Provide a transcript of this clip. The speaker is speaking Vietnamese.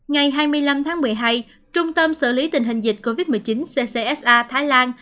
ngày hai mươi năm tháng một mươi hai trung tâm xử lý tình hình dịch covid một mươi chín ccsa thái lan